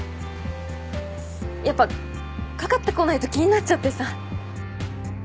やっぱかかってこないと気になっちゃってさ。